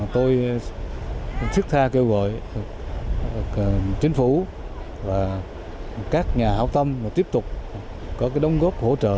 tôi thức tha kêu gọi chính phủ và các nhà hảo tâm tiếp tục có đồng góp hỗ trợ